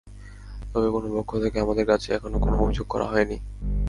তবে কোনো পক্ষ থেকে আমাদের কাছে এখনো কোনো অভিযোগ করা হয়নি।